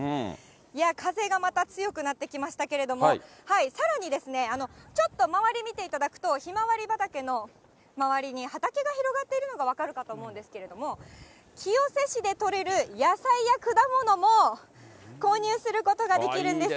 風がまた強くなってきましたけれども、さらにですね、ちょっと周り見ていただくと、ひまわり畑の周りに、畑が広がっているのが分かるかと思うんですけれども、清瀬市で取れる野菜や果物も購入することができるんです。